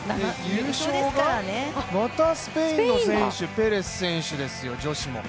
優勝がまたスペインの選手、ペレス選手ですよ、女子も。